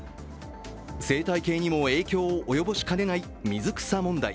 生態系にも影響を及ぼしかねない水草問題。